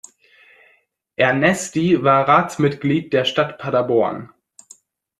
Ernesti war Ratsmitglied der Stadt Paderborn.